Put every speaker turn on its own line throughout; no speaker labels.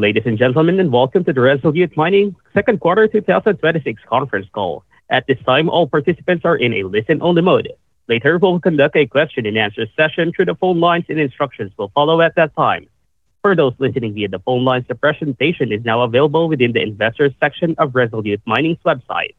Ladies and gentlemen, and welcome to the Resolute Mining second quarter 2026 conference call. At this time, all participants are in a listen-only mode. Later, we will conduct a question-and-answer session through the phone lines, and instructions will follow at that time. For those listening via the phone lines, the presentation is now available within the Investors section of Resolute Mining's website.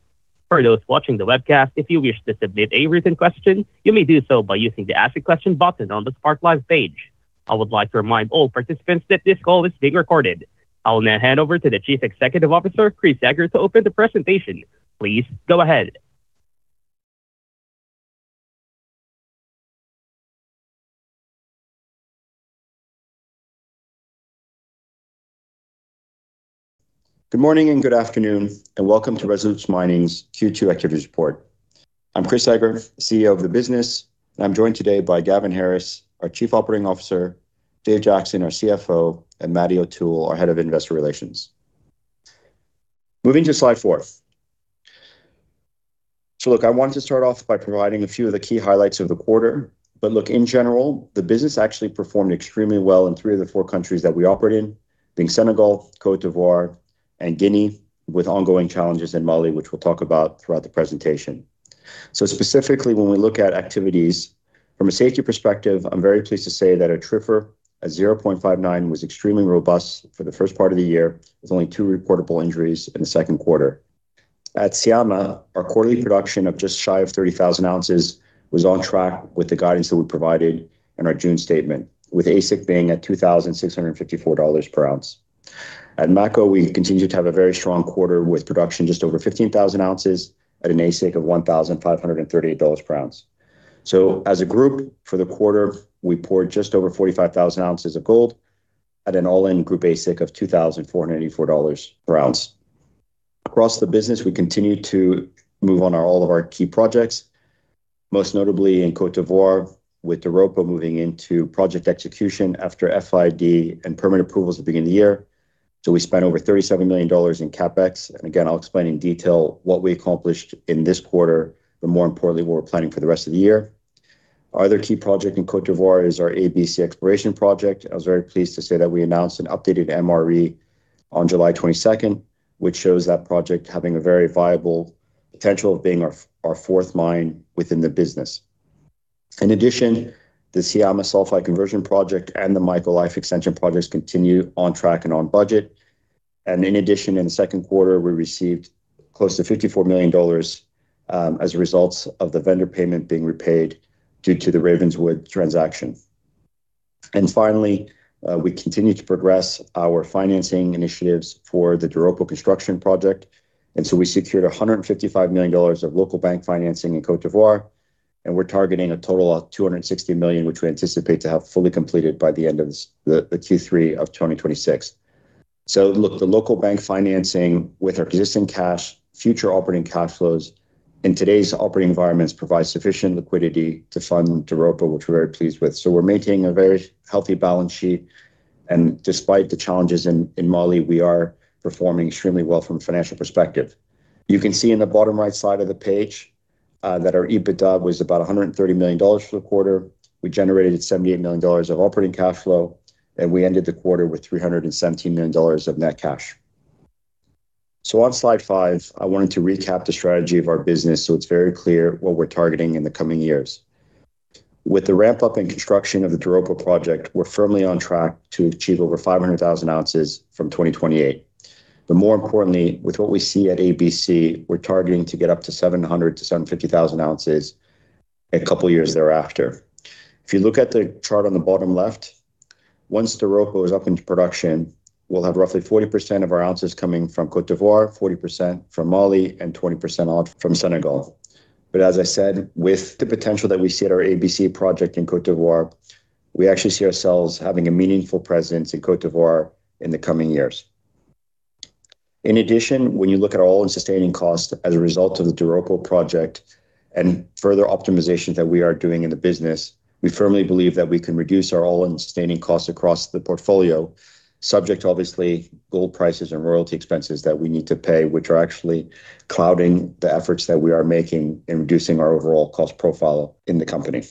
For those watching the webcast, if you wish to submit a written question, you may do so by using the Ask a Question button on the Spark Live page. I would like to remind all participants that this call is being recorded. I will now hand over to the Chief Executive Officer, Chris Eger, to open the presentation. Please go ahead.
Good morning and good afternoon, and welcome to Resolute Mining's Q2 activities report. I am Chris Eger, CEO of the business, and I am joined today by Gavin Harris, our Chief Operating Officer, Dave Jackson, our CFO, and Matt O'Toole, our Head of Investor Relations. Moving to slide four. I wanted to start off by providing a few of the key highlights of the quarter. In general, the business actually performed extremely well in three of the four countries that we operate in, being Senegal, Côte d'Ivoire, and Guinea, with ongoing challenges in Mali, which we will talk about throughout the presentation. Specifically, when we look at activities from a safety perspective, I am very pleased to say that at TRIFR, a 0.59 was extremely robust for the first part of the year, with only two reportable injuries in the second quarter. At Syama, our quarterly production of just shy of 30,000 ounces was on track with the guidance that we provided in our June statement, with AISC being at $2,654 per ounce. At Mako, we continued to have a very strong quarter with production just over 15,000 ounces at an AISC of $1,538 per ounce. As a group for the quarter, we poured just over 45,000 ounces of gold at an all-in group AISC of $2,484 per ounce. Across the business, we continue to move on all of our key projects, most notably in Côte d'Ivoire with Doropo moving into project execution after FID and permit approvals at the beginning of the year. We spent over $37 million in CapEx, and again, I will explain in detail what we accomplished in this quarter, but more importantly, what we are planning for the rest of the year. Our other key project in Côte d'Ivoire is our ABC exploration project. I was very pleased to say that we announced an updated MRE on July 22nd, which shows that project having a very viable potential of being our fourth mine within the business. In addition, the Syama Sulphide Conversion Project and the Mako Life Extension Project continue on track and on budget. In addition, in the second quarter, we received close to $54 million as a result of the vendor payment being repaid due to the Ravenswood transaction. Finally, we continue to progress our financing initiatives for the Doropo construction project, and we secured $155 million of local bank financing in Côte d'Ivoire, and we are targeting a total of $260 million, which we anticipate to have fully completed by the end of the Q3 of 2026. Look, the local bank financing with our existing cash, future operating cash flows in today's operating environments provide sufficient liquidity to fund Doropo, which we're very pleased with. We're maintaining a very healthy balance sheet. Despite the challenges in Mali, we are performing extremely well from a financial perspective. You can see in the bottom right side of the page that our EBITDA was about $130 million for the quarter. We generated $78 million of operating cash flow, and we ended the quarter with $317 million of net cash. On slide five, I wanted to recap the strategy of our business so it's very clear what we're targeting in the coming years. With the ramp-up in construction of the Doropo project, we're firmly on track to achieve over 500,000 ounces from 2028. More importantly, with what we see at ABC, we're targeting to get up to 700,000-750,000 ounces a couple of years thereafter. If you look at the chart on the bottom left, once Doropo is up into production, we'll have roughly 40% of our ounces coming from Côte d'Ivoire, 40% from Mali, and 20% odd from Senegal. As I said, with the potential that we see at our ABC project in Côte d'Ivoire, we actually see ourselves having a meaningful presence in Côte d'Ivoire in the coming years. In addition, when you look at all-in sustaining costs as a result of the Doropo project and further optimization that we are doing in the business, we firmly believe that we can reduce our all-in sustaining costs across the portfolio, subject obviously gold prices and royalty expenses that we need to pay, which are actually clouding the efforts that we are making in reducing our overall cost profile in the company.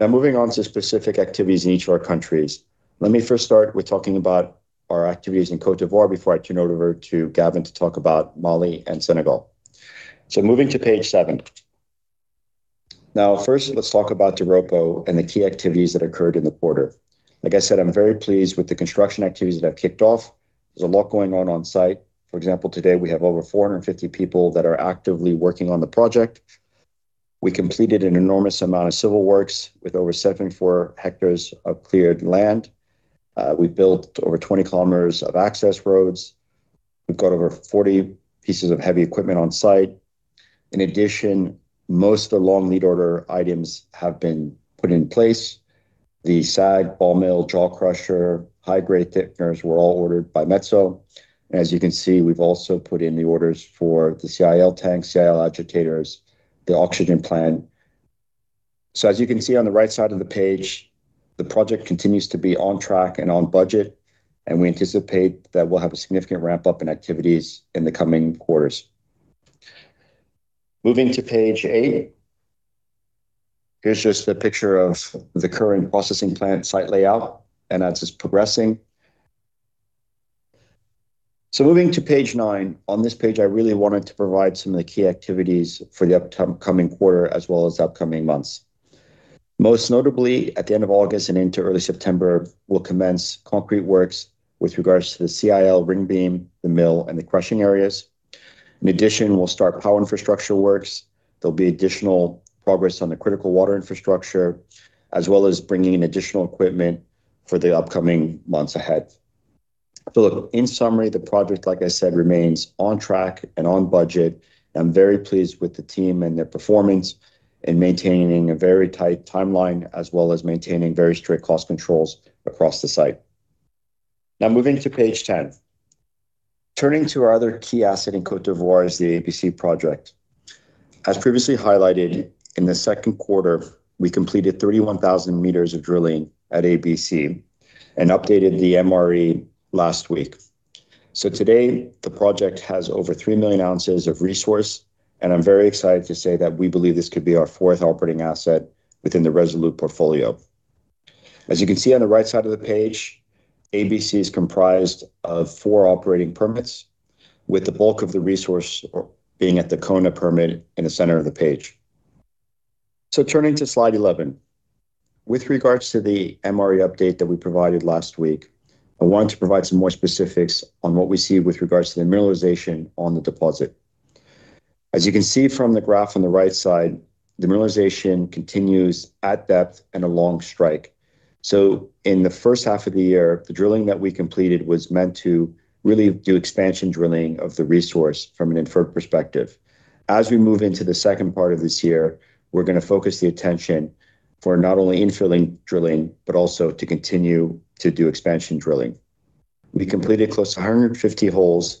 Moving on to specific activities in each of our countries. Let me first start with talking about our activities in Côte d'Ivoire before I turn it over to Gavin to talk about Mali and Senegal. Moving to page seven. First, let's talk about Doropo and the key activities that occurred in the quarter. Like I said, I'm very pleased with the construction activities that have kicked off. There's a lot going on onsite. For example, today we have over 450 people that are actively working on the project. We completed an enormous amount of civil works with over 74 hectares of cleared land. We built over 20 km of access roads. We've got over 40 pieces of heavy equipment on site. In addition, most of the long lead order items have been put in place. The SAG, ball mill, jaw crusher, high-grade thickeners were all ordered by Metso. As you can see, we've also put in the orders for the CIL tank, CIL agitators, the oxygen plant. As you can see on the right side of the page, the project continues to be on track and on budget, and we anticipate that we'll have a significant ramp-up in activities in the coming quarters. Moving to page eight. Here's just a picture of the current processing plant site layout and as it's progressing. Moving to page nine. On this page, I really wanted to provide some of the key activities for the upcoming quarter as well as upcoming months. Most notably, at the end of August and into early September, we'll commence concrete works with regards to the CIL ring-beam, the mill, and the crushing areas. In addition, we'll start power infrastructure works. There'll be additional progress on the critical water infrastructure, as well as bringing in additional equipment for the upcoming months ahead. Look, in summary, the project, like I said, remains on track and on budget. I'm very pleased with the team and their performance in maintaining a very tight timeline, as well as maintaining very strict cost controls across the site. Moving to page 10. Turning to our other key asset in Côte d'Ivoire is the ABC project. As previously highlighted, in the second quarter, we completed 31,000 meters of drilling at ABC and updated the MRE last week. Today, the project has over 3 million ounces of resource, and I'm very excited to say that we believe this could be our fourth operating asset within the Resolute portfolio. As you can see on the right side of the page, ABC is comprised of four operating permits, with the bulk of the resource being at the Kona permit in the center of the page. Turning to slide 11. With regards to the MRE update that we provided last week, I want to provide some more specifics on what we see with regards to the mineralization on the deposit. As you can see from the graph on the right side, the mineralization continues at depth and along strike. In the first half of the year, the drilling that we completed was meant to really do expansion drilling of the resource from an inferred perspective. As we move into the second part of this year, we're going to focus the attention for not only infilling drilling, but also to continue to do expansion drilling. We completed close to 150 holes,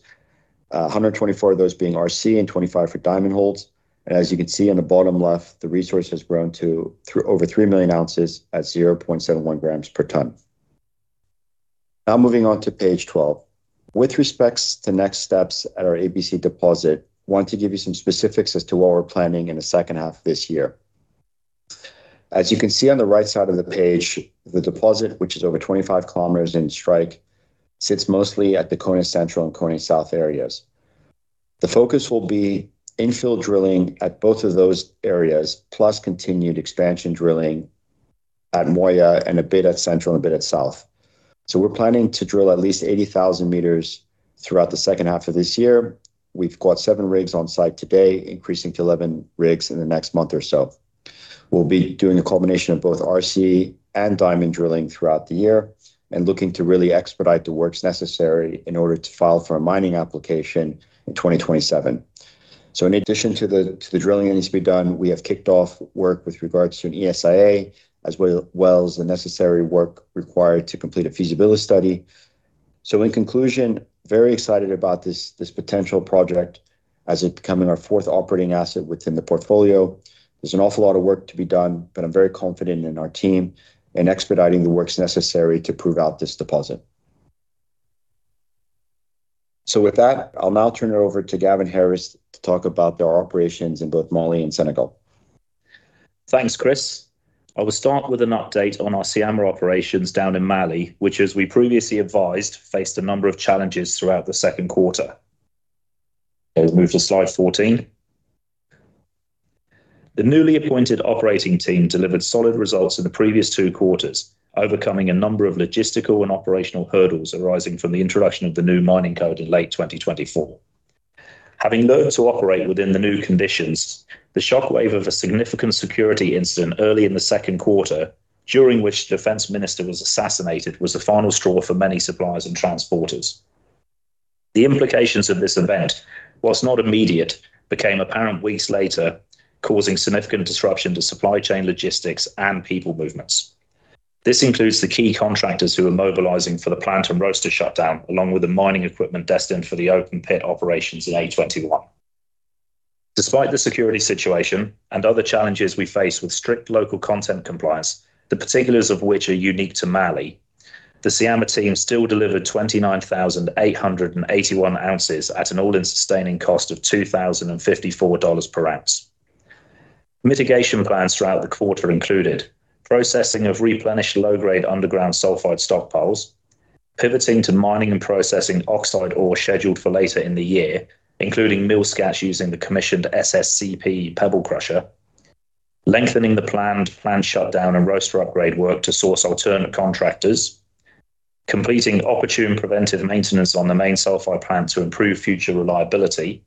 124 of those being RC and 25 for diamond holes. As you can see on the bottom left, the resource has grown to over 3 million ounces at 0.71 grams per ton. Moving on to page 12. With respects to next steps at our ABC deposit, want to give you some specifics as to what we're planning in the second half of this year. As you can see on the right side of the page, the deposit, which is over 25 kilometers in strike, sits mostly at the Kona central and Kona south areas. The focus will be infill drilling at both of those areas, plus continued expansion drilling at Moya and a bit at central and a bit at south. We're planning to drill at least 80,000 meters throughout the second half of this year. We've got seven rigs on site today, increasing to 11 rigs in the next month or so. We'll be doing a combination of both RC and diamond drilling throughout the year and looking to really expedite the works necessary in order to file for a mining application in 2027. In addition to the drilling that needs to be done, we have kicked off work with regards to an ESIA, as well as the necessary work required to complete a feasibility study. In conclusion, very excited about this potential project as it becoming our fourth operating asset within the portfolio. There's an awful lot of work to be done, but I'm very confident in our team in expediting the works necessary to prove out this deposit. With that, I'll now turn it over to Gavin Harris to talk about our operations in both Mali and Senegal.
Thanks, Chris. I will start with an update on our Syama operations down in Mali, which, as we previously advised, faced a number of challenges throughout the second quarter. Okay, we'll move to slide 14. The newly appointed operating team delivered solid results in the previous two quarters, overcoming a number of logistical and operational hurdles arising from the introduction of the new mining code in late 2024. Having learned to operate within the new conditions, the shockwave of a significant security incident early in the second quarter, during which the defense minister was assassinated, was the final straw for many suppliers and transporters. The implications of this event, whilst not immediate, became apparent weeks later, causing significant disruption to supply chain logistics and people movements. This includes the key contractors who are mobilizing for the plant and roaster shutdown, along with the mining equipment destined for the open pit operations in A21. Despite the security situation and other challenges we face with strict local content compliance, the particulars of which are unique to Mali, the Syama team still delivered 29,881 ounces at an all-in sustaining cost of $2,054 per ounce. Mitigation plans throughout the quarter included processing of replenished low-grade underground sulfide stockpiles, pivoting to mining and processing oxide ore scheduled for later in the year, including mill scats using the commissioned SSCP pebble crusher, lengthening the planned plant shutdown and roaster upgrade work to source alternate contractors, completing opportune preventive maintenance on the main sulfide plant to improve future reliability,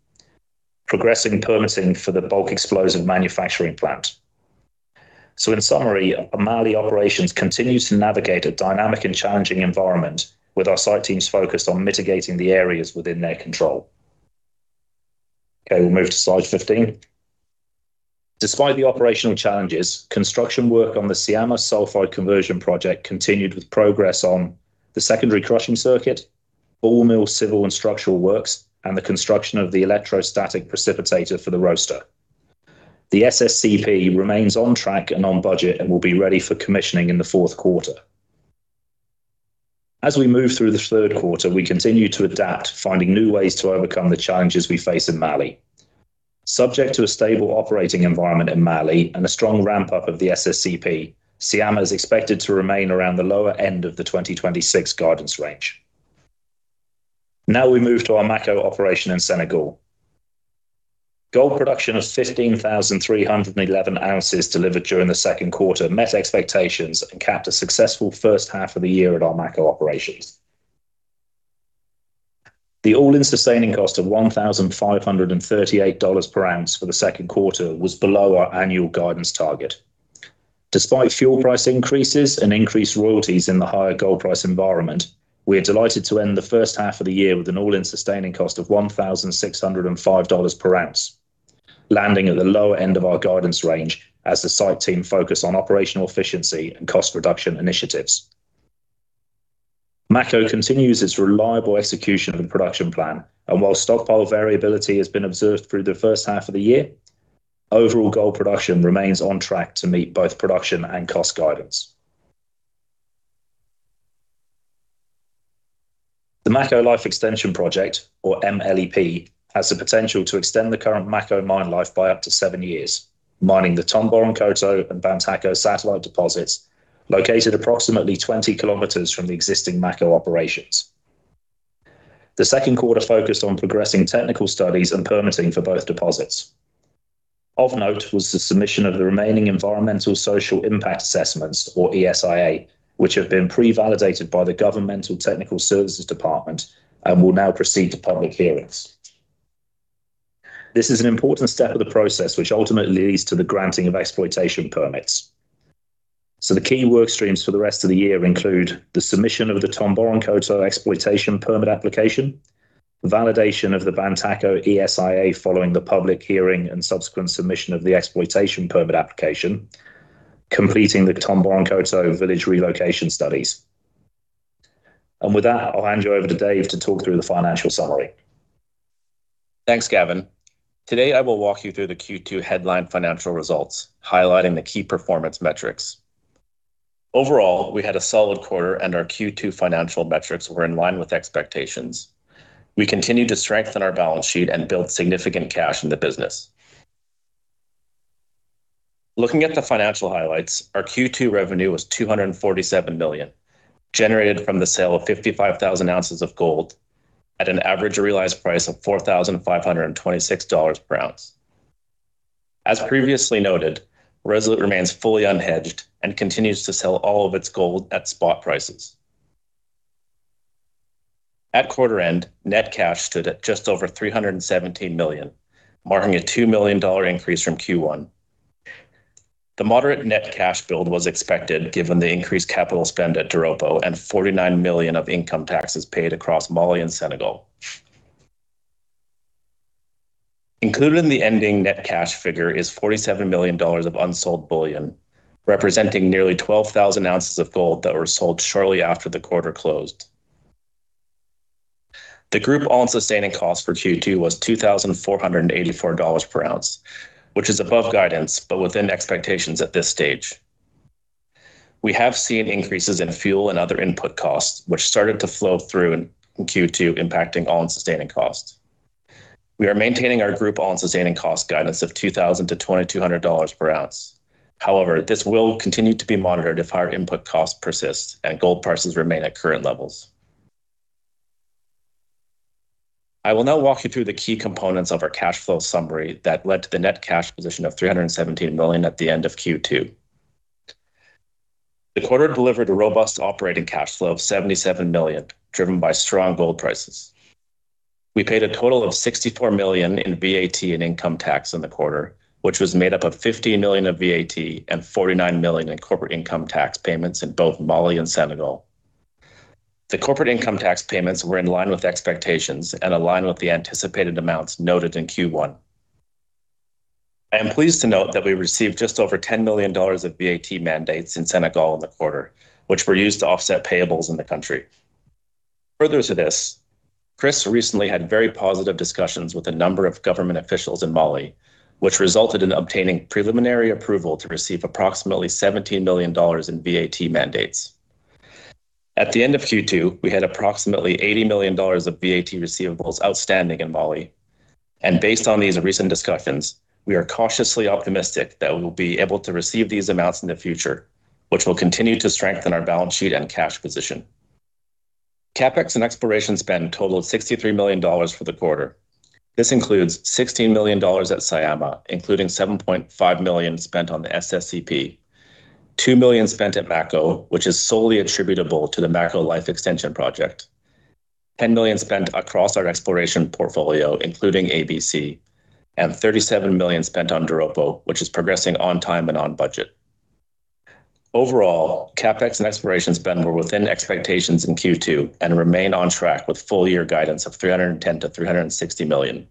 progressing permitting for the bulk explosive manufacturing plant. In summary, Mali operations continue to navigate a dynamic and challenging environment with our site teams focused on mitigating the areas within their control. Okay, we'll move to slide 15. Despite the operational challenges, construction work on the Syama Sulphide Conversion Project continued with progress on the secondary crushing circuit, ball mill civil and structural works, and the construction of the electrostatic precipitator for the roaster. The SSCP remains on track and on budget and will be ready for commissioning in the fourth quarter. As we move through the third quarter, we continue to adapt, finding new ways to overcome the challenges we face in Mali. Subject to a stable operating environment in Mali and a strong ramp-up of the SSCP, Syama is expected to remain around the lower end of the 2026 guidance range. Now we move to our Mako operation in Senegal. Gold production of 15,311 ounces delivered during the second quarter met expectations and capped a successful first half of the year at our Mako operations. The all-in sustaining cost of $1,538 per ounce for the second quarter was below our annual guidance target. Despite fuel price increases and increased royalties in the higher gold price environment, we are delighted to end the first half of the year with an all-in sustaining cost of $1,605 per ounce, landing at the lower end of our guidance range as the site team focus on operational efficiency and cost reduction initiatives. While stockpile variability has been observed through the first half of the year, overall gold production remains on track to meet both production and cost guidance. The Mako Life Extension Project, or MLEP, has the potential to extend the current Mako mine life by up to seven years, mining the Tomboronkoto and Bantako satellite deposits located approximately 20 km from the existing Mako operations. The second quarter focused on progressing technical studies and permitting for both deposits. Of note was the submission of the remaining environmental social impact assessments, or ESIA, which have been pre-validated by the governmental technical services department and will now proceed to public hearings. This is an important step of the process, which ultimately leads to the granting of exploitation permits. The key work streams for the rest of the year include the submission of the Tomboronkoto exploitation permit application, validation of the Bantako ESIA following the public hearing and subsequent submission of the exploitation permit application, completing the Tomboronkoto village relocation studies. With that, I'll hand you over to Dave to talk through the financial summary.
Thanks, Gavin. Today, I will walk you through the Q2 headline financial results, highlighting the key performance metrics. Overall, we had a solid quarter. Our Q2 financial metrics were in line with expectations. We continued to strengthen our balance sheet and build significant cash in the business. Looking at the financial highlights, our Q2 revenue was $247 million, generated from the sale of 55,000 ounces of gold at an average realized price of $4,526 per ounce. As previously noted, Resolute remains fully unhedged and continues to sell all of its gold at spot prices. At quarter end, net cash stood at just over $317 million, marking a $2 million increase from Q1. The moderate net cash build was expected given the increased capital spend at Doropo and $49 million of income taxes paid across Mali and Senegal. Included in the ending net cash figure is $47 million of unsold bullion, representing nearly 12,000 ounces of gold that were sold shortly after the quarter closed. The group all-in sustaining cost for Q2 was $2,484 per ounce, which is above guidance, but within expectations at this stage. We have seen increases in fuel and other input costs, which started to flow through in Q2, impacting all-in sustaining costs. We are maintaining our group all-in sustaining cost guidance of $2,000-$2,200 per ounce. However, this will continue to be monitored if higher input costs persist and gold prices remain at current levels. I will now walk you through the key components of our cash flow summary that led to the net cash position of $317 million at the end of Q2. The quarter delivered a robust operating cash flow of $77 million, driven by strong gold prices. We paid a total of $64 million in VAT and income tax in the quarter, which was made up of $15 million of VAT and $49 million in corporate income tax payments in both Mali and Senegal. The corporate income tax payments were in line with expectations and align with the anticipated amounts noted in Q1. I am pleased to note that we received just over $10 million of VAT mandates in Senegal in the quarter, which were used to offset payables in the country. Further to this, Chris recently had very positive discussions with a number of government officials in Mali, which resulted in obtaining preliminary approval to receive approximately $17 million in VAT mandates. At the end of Q2, we had approximately $80 million of VAT receivables outstanding in Mali. Based on these recent discussions, we are cautiously optimistic that we will be able to receive these amounts in the future, which will continue to strengthen our balance sheet and cash position. CapEx and exploration spend totaled $63 million for the quarter. This includes $16 million at Syama, including $7.5 million spent on the SSCP, $2 million spent at Mako, which is solely attributable to the Mako Life Extension Project, $10 million spent across our exploration portfolio, including ABC, and $37 million spent on Doropo, which is progressing on time and on budget. Overall, CapEx and exploration spend were within expectations in Q2 and remain on track with full year guidance of $310 million-$360 million.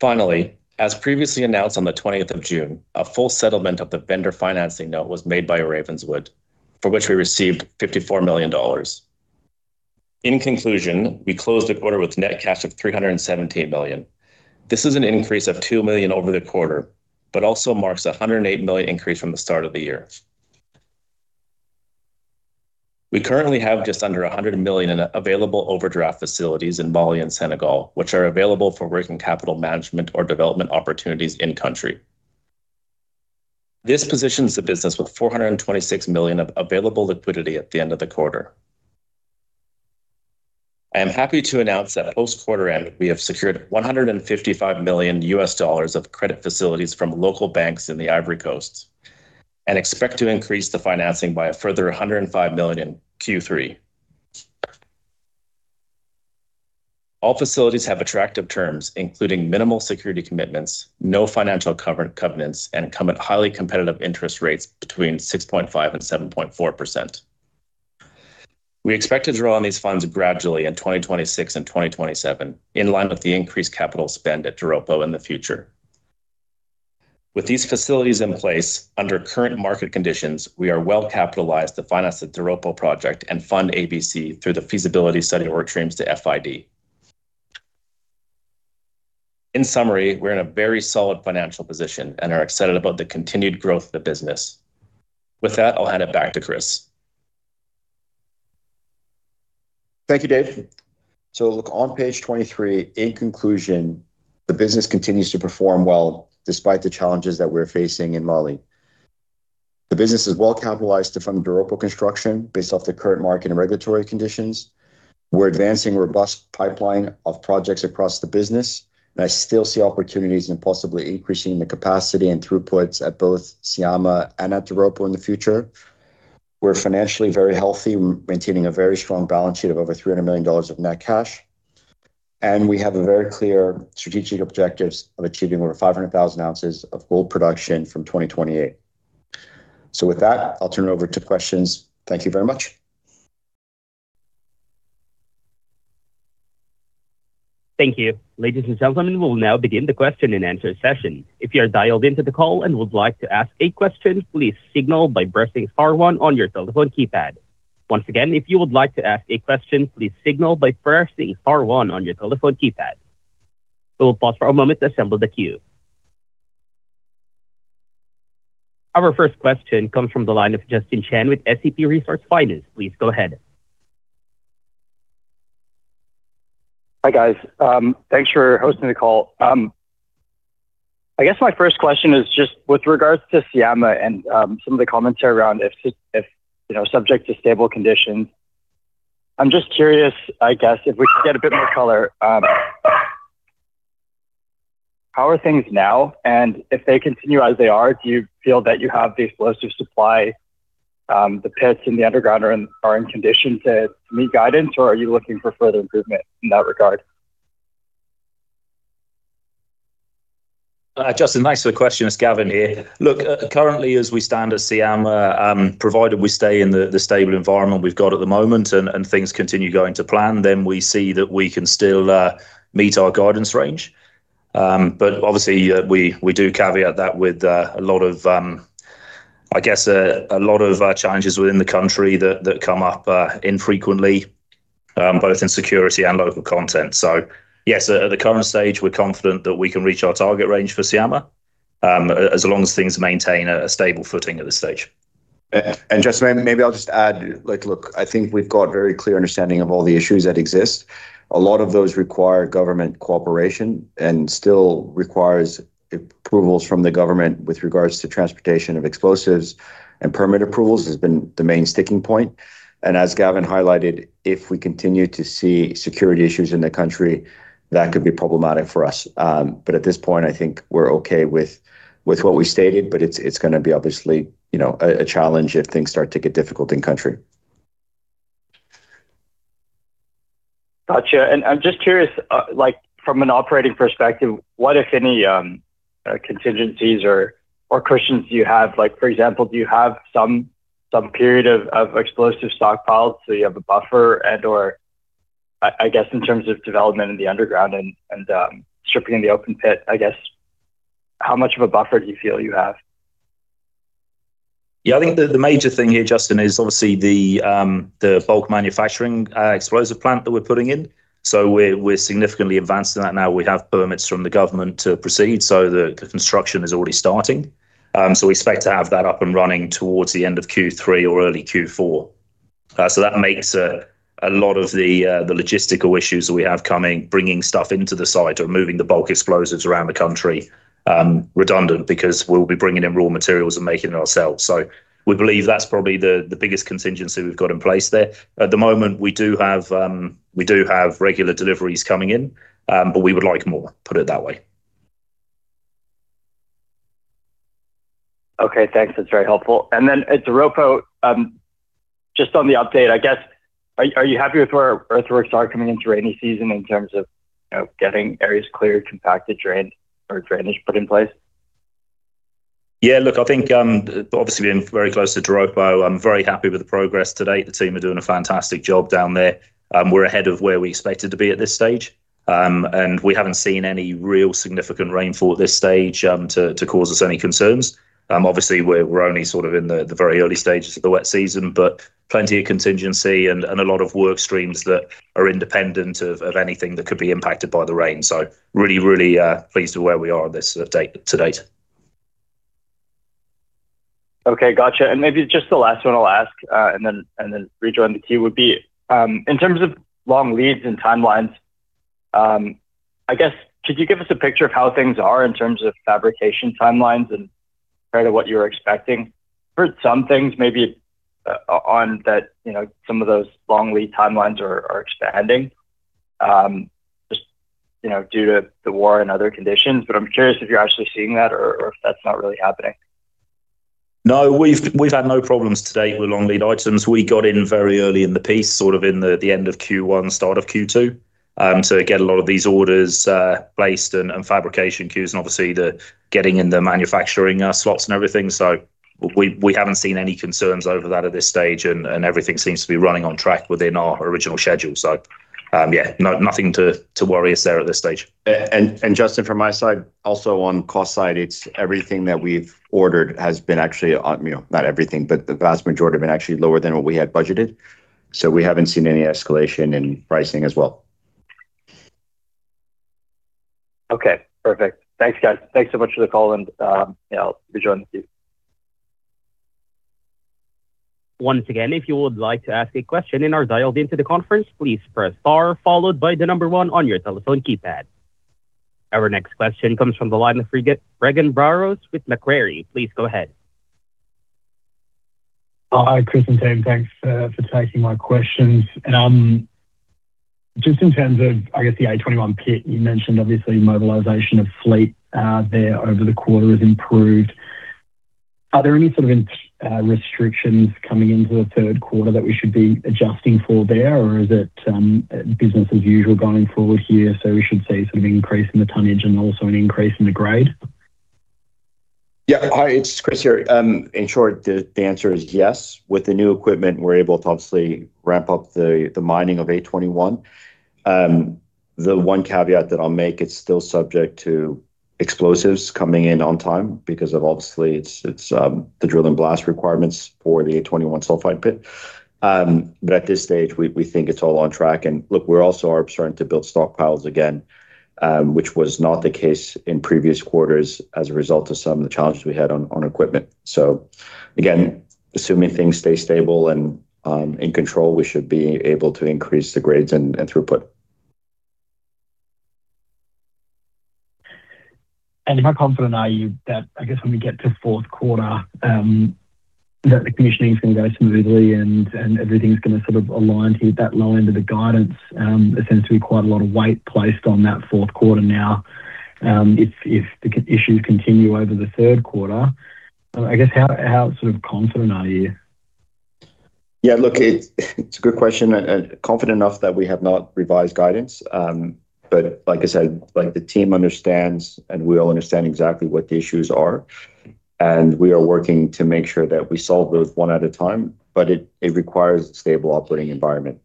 Finally, as previously announced on the 20th of June, a full settlement of the vendor financing note was made by Ravenswood, for which we received $54 million. In conclusion, we closed the quarter with net cash of $317 million. This is an increase of $2 million over the quarter. Also marks a $108 million increase from the start of the year. We currently have just under $100 million in available overdraft facilities in Mali and Senegal, which are available for working capital management or development opportunities in country. This positions the business with $426 million of available liquidity at the end of the quarter. I am happy to announce that post quarter end, we have secured $155 million US dollars of credit facilities from local banks in Côte d'Ivoire, and expect to increase the financing by a further $105 million in Q3. All facilities have attractive terms, including minimal security commitments, no financial covenants, and come at highly competitive interest rates between 6.5% and 7.4%. We expect to draw on these funds gradually in 2026 and 2027, in line with the increased capital spend at Doropo in the future. With these facilities in place, under current market conditions, we are well-capitalized to finance the Doropo project and fund ABC through the feasibility study work streams to FID. In summary, we're in a very solid financial position and are excited about the continued growth of the business. With that, I'll hand it back to Chris.
Thank you, Dave. Look on page 23, in conclusion, the business continues to perform well despite the challenges that we're facing in Mali. The business is well capitalized to fund Doropo construction based off the current market and regulatory conditions. We're advancing a robust pipeline of projects across the business, and I still see opportunities in possibly increasing the capacity and throughputs at both Syama and at Doropo in the future. We're financially very healthy, maintaining a very strong balance sheet of over $300 million of net cash, and we have very clear strategic objectives of achieving over 500,000 ounces of gold production from 2028. With that, I'll turn it over to questions. Thank you very much.
Thank you. Ladies and gentlemen, we'll now begin the question and answer session. If you are dialed into the call and would like to ask a question, please signal by pressing star one on your telephone keypad. Once again, if you would like to ask a question, please signal by pressing star one on your telephone keypad. We will pause for a moment to assemble the queue. Our first question comes from the line of Justin Chen with SCP Resource Finance. Please go ahead.
Hi, guys. Thanks for hosting the call. I guess my first question is just with regards to Syama and some of the commentary around if subject to stable conditions. I'm just curious, I guess, if we could get a bit more color. How are things now? If they continue as they are, do you feel that you have the explosive supply, the pits in the underground are in condition to meet guidance, or are you looking for further improvement in that regard?
Justin, thanks for the question. It's Gavin here. Currently as we stand at Syama, provided we stay in the stable environment we've got at the moment and things continue going to plan, then we see that we can still meet our guidance range. Obviously, we do caveat that with a lot of challenges within the country that come up infrequently, both in security and local content. Yes, at the current stage, we're confident that we can reach our target range for Syama, as long as things maintain a stable footing at this stage.
Justin, maybe I'll just add, I think we've got a very clear understanding of all the issues that exist. A lot of those require government cooperation and still requires approvals from the government with regards to transportation of explosives, and permit approvals has been the main sticking point. As Gavin highlighted, if we continue to see security issues in the country, that could be problematic for us. At this point, I think we're okay with what we stated, but it's going to be obviously a challenge if things start to get difficult in country.
Got you. I'm just curious, from an operating perspective, what, if any, contingencies or cushions do you have? For example, do you have some period of explosive stockpiles, so you have a buffer and in terms of development in the underground and stripping in the open pit, how much of a buffer do you feel you have?
I think the major thing here, Justin, is obviously the bulk manufacturing explosive plant that we're putting in. We're significantly advanced in that now. We have permits from the government to proceed. The construction is already starting. We expect to have that up and running towards the end of Q3 or early Q4. That makes a lot of the logistical issues that we have coming, bringing stuff into the site or moving the bulk explosives around the country redundant because we'll be bringing in raw materials and making it ourselves. We believe that's probably the biggest contingency we've got in place there. At the moment, we do have regular deliveries coming in, but we would like more, put it that way.
Okay, thanks. That's very helpful. At Doropo, just on the update, I guess, are you happy with where earthworks are coming into rainy season in terms of getting areas cleared, compacted, drained, or drainage put in place?
Look, I think obviously being very close to Doropo, I'm very happy with the progress to date. The team are doing a fantastic job down there. We're ahead of where we expected to be at this stage. We haven't seen any real significant rainfall at this stage to cause us any concerns. Obviously, we're only sort of in the very early stages of the wet season, but plenty of contingency and a lot of work streams that are independent of anything that could be impacted by the rain. Really pleased with where we are on this to date.
Okay, gotcha. Maybe just the last one I'll ask, and then rejoin the queue would be, in terms of long leads and timelines, could you give us a picture of how things are in terms of fabrication timelines and what you're expecting? Heard some things maybe on that some of those long lead timelines are expanding just due to the war and other conditions, I'm curious if you're actually seeing that or if that's not really happening.
No, we've had no problems to date with long lead items. We got in very early in the piece, sort of in the end of Q1, start of Q2. Get a lot of these orders placed and fabrication queues and obviously the getting in the manufacturing slots and everything. We haven't seen any concerns over that at this stage, and everything seems to be running on track within our original schedule. Yeah. Nothing to worry us there at this stage.
Justin, from my side, also on cost side, everything that we've ordered has been actually on, not everything, but the vast majority have been actually lower than what we had budgeted. We haven't seen any escalation in pricing as well.
Okay, perfect. Thanks, guys. Thanks so much for the call, and I'll rejoin the queue.
Once again, if you would like to ask a question and are dialed into the conference, please press star followed by the number one on your telephone keypad. Our next question comes from the line of Regan Burrows with Macquarie. Please go ahead.
Hi, Chris and team. Thanks for taking my questions. Just in terms of, I guess, the A21 pit, you mentioned obviously mobilization of fleet there over the quarter has improved. Are there any sort of restrictions coming into the third quarter that we should be adjusting for there, or is it business as usual going forward here, so we should see sort of increase in the tonnage and also an increase in the grade?
Hi, it's Chris Eger here. In short, the answer is yes. With the new equipment, we're able to obviously ramp up the mining of A21. The one caveat that I'll make, it's still subject to explosives coming in on time because of, obviously, it's the drill and blast requirements for the A21 sulfide pit. At this stage, we think it's all on track. Look, we also are starting to build stockpiles again, which was not the case in previous quarters as a result of some of the challenges we had on equipment. Again, assuming things stay stable and in control, we should be able to increase the grades and throughput.
How confident are you that when we get to fourth quarter, that the commissioning is going to go smoothly and everything's going to sort of align to hit that low end of the guidance? There seems to be quite a lot of weight placed on that fourth quarter now. If the issues continue over the third quarter, how sort of confident are you?
Look, it's a good question. Confident enough that we have not revised guidance. Like I said, the team understands and we all understand exactly what the issues are, and we are working to make sure that we solve those one at a time. It requires a stable operating environment,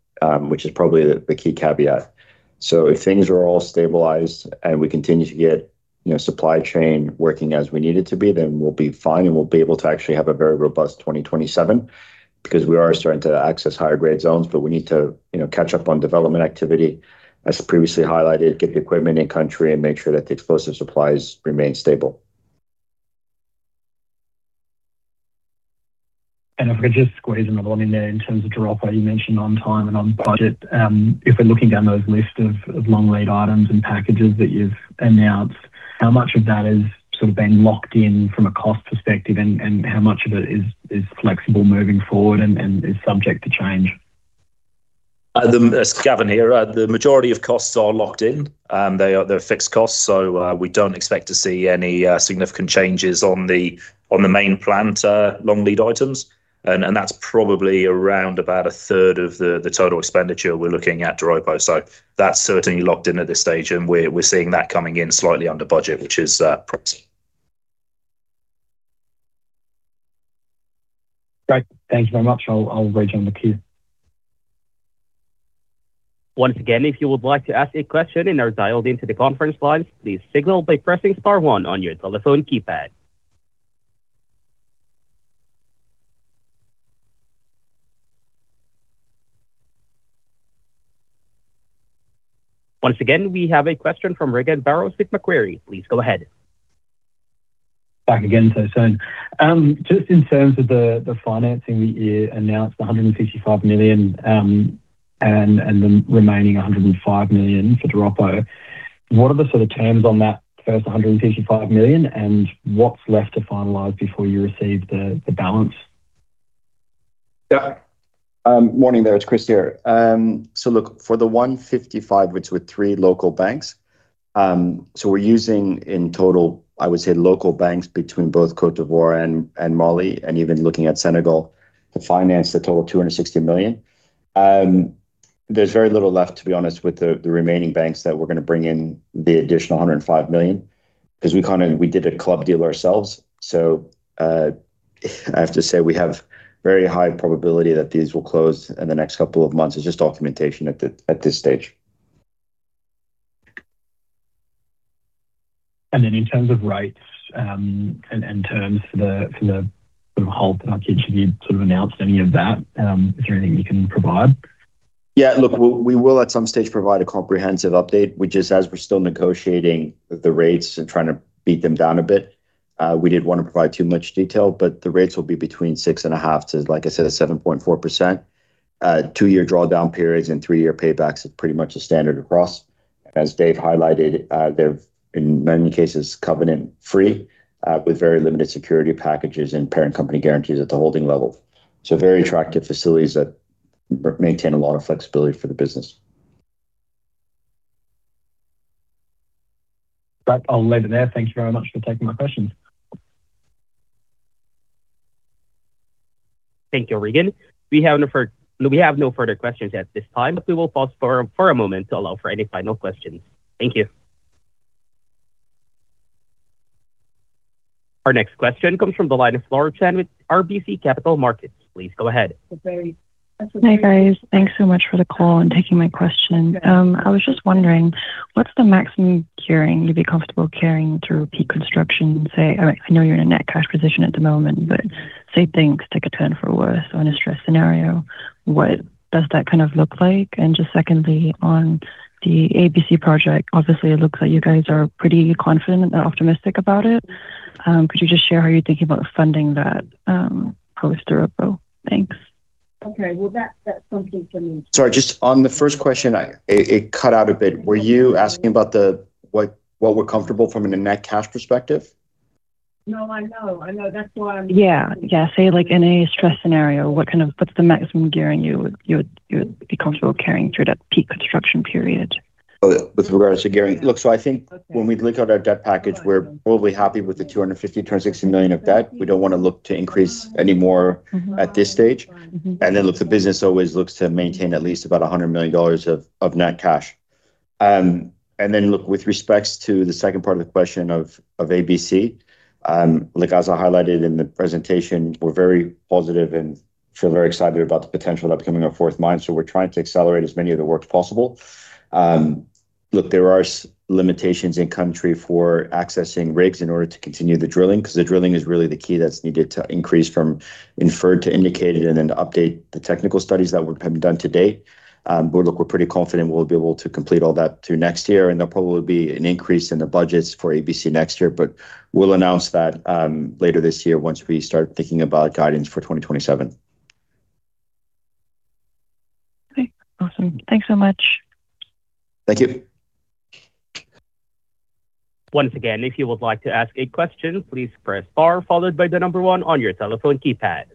which is probably the key caveat. If things are all stabilized and we continue to get supply chain working as we need it to be, then we'll be fine and we'll be able to actually have a very robust 2027 because we are starting to access higher grade zones. We need to catch up on development activity, as previously highlighted, get the equipment in country and make sure that the explosive supplies remain stable.
If I could just squeeze another one in there in terms of Doropo, you mentioned on time and on budget. If we're looking down those lists of long lead items and packages that you've announced, how much of that has sort of been locked in from a cost perspective, and how much of it is flexible moving forward and is subject to change?
Gavin here. The majority of costs are locked in. They're fixed costs, so we don't expect to see any significant changes on the main plant long lead items. That's probably around about a third of the total expenditure we're looking at at Doropo. That's certainly locked in at this stage, and we're seeing that coming in slightly under budget, which is promising.
Great. Thank you very much. I'll rejoin the queue.
Once again, if you would like to ask a question and are dialed into the conference lines, please signal by pressing star one on your telephone keypad. Once again, we have a question from Regan Burrows with Macquarie. Please go ahead.
Back again so soon. In terms of the financing, you announced the $155 million, and the remaining $105 million for Doropo. What are the sort of terms on that first $155 million, and what's left to finalize before you receive the balance?
Yeah. Morning there. It's Chris here. Look, for the $155, which were three local banks. We're using in total, I would say, local banks between both Côte d'Ivoire and Mali, and even looking at Senegal to finance the total $260 million. There's very little left, to be honest, with the remaining banks that we're going to bring in the additional $105 million because we did a club deal ourselves. I have to say we have very high probability that these will close in the next couple of months. It's just documentation at this stage.
In terms of rates, and terms for the sort of whole package, have you sort of announced any of that? Is there anything you can provide?
Yeah, look, we will at some stage provide a comprehensive update. We're just as we're still negotiating the rates and trying to beat them down a bit. We didn't want to provide too much detail, but the rates will be between 6.5%-7.4%. Two-year drawdown periods and three-year paybacks are pretty much a standard across. As Dave highlighted, they're in many cases covenant-free, with very limited security packages and parent company guarantees at the holding level. Very attractive facilities that maintain a lot of flexibility for the business.
Right. I'll leave it there. Thank you very much for taking my questions.
Thank you, Regan. We have no further questions at this time, but we will pause for a moment to allow for any final questions. Thank you. Our next question comes from the line of Laura Chan with RBC Capital Markets. Please go ahead.
Hi, guys. Thanks so much for the call and taking my question. I was just wondering, what's the maximum gearing you'd be comfortable carrying through peak construction say, I know you're in a net cash position at the moment, but say things take a turn for worse on a stress scenario, what does that look like? Secondly, on the ABC project, obviously it looks like you guys are pretty confident and optimistic about it. Could you just share how you're thinking about funding that post Doropo? Thanks.
Sorry, just on the first question, it cut out a bit. Were you asking about what we're comfortable from a net cash perspective?
Yeah. Say like in a stress scenario, what's the maximum gearing you would be comfortable carrying through that peak construction period?
Oh, with regards to gearing. Look, I think when we look at our debt package, we're broadly happy with the $250 million, $260 million of debt. We don't want to look to increase any more at this stage. Look, the business always looks to maintain at least about $100 million of net cash. Look, with respects to the second part of the question of ABC, like as I highlighted in the presentation, we're very positive and feel very excited about the potential upcoming our fourth mine, we're trying to accelerate as many of the works possible. Look, there are limitations in country for accessing rigs in order to continue the drilling, because the drilling is really the key that's needed to increase from inferred to indicated, and then to update the technical studies that have been done to date. Look, we're pretty confident we'll be able to complete all that through next year, and there'll probably be an increase in the budgets for ABC next year. We'll announce that later this year once we start thinking about guidance for 2027.
Okay, awesome. Thanks so much.
Thank you.
Once again, if you would like to ask a question, please press star followed by the number one on your telephone keypad.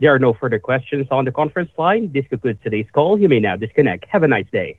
There are no further questions on the conference line. This concludes today's call. You may now disconnect. Have a nice day.